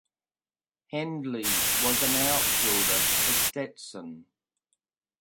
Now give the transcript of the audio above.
Hendley was an outfielder for Stetson.